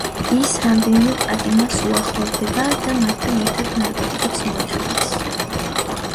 ის რამდენიმე პატიმარს უახლოვდება და მათთან ერთად ნარკოტიკებს მოიხმარს.